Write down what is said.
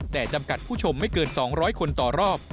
แต่จำกัดผู้ชมไม่เกิน๒๐๐คนต่อรอบ